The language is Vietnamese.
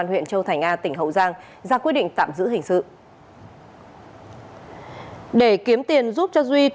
huyện châu thành a tỉnh hậu giang ra quyết định tạm giữ hình sự để kiếm tiền giúp cho duy